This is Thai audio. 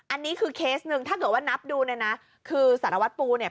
อันนี้คือเคสหนึ่งถ้าเกิดว่านับดูเนี่ยนะคือสารวัตรปูเนี่ย